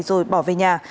rồi bỏ về nhà